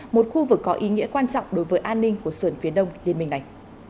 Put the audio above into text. một khu vực có ý nghĩa quan trọng đối với an ninh của sườn phía đông liên minh này